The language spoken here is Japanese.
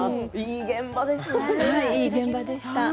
いい現場でした、本当に。